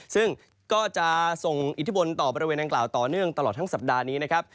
ซึ่งก็จะส่งอิทธิพลต่อบริเวณดังกล่าวต่อเนื่องตลอดทั้งสัปดาห์นี้นะครับ